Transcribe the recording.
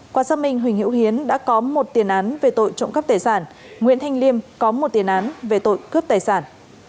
qua xác minh huỳnh hữu hiến đã có một tiền án về tội trộm cắp tài sản nguyễn thanh liêm có một tiền án về tội cướp tài sản